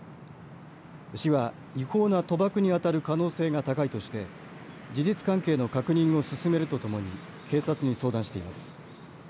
市は違法な賭博に当たる可能性が高いとして事実関係の確認を進めるとともに警察に相談しています。